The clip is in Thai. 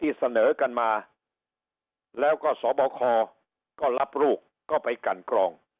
เสนอกันมาแล้วก็สบคก็รับลูกก็ไปกันกรอง